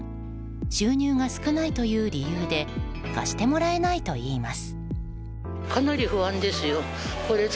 収入が少ないという理由で貸してもらえないといいます。